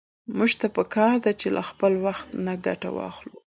موږ ته په کار ده چې له خپل وخت نه ګټه واخلو.